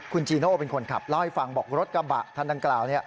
คุณจีโน่เป็นคนขับเล่าให้ฟังบอกรถกระบะคันดังกล่าว